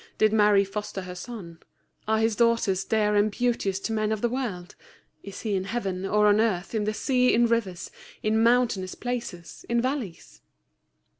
Did Mary foster her son? Are His daughters dear and beauteous to men of the world? Is He in heaven, or on earth, in the sea, in rivers, in mountainous places, in valleys?"